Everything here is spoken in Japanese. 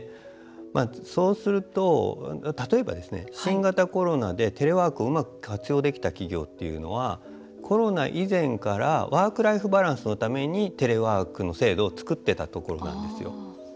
そうすると、例えば新型コロナでテレワークをうまく活用できた企業というのはコロナ以前からワークライフバランスのためにテレワークの制度を作ってたところなんですよ。